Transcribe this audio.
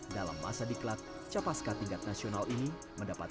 dalam masa di klat capaskan tingkat nasional ini mendapatkan peningkatan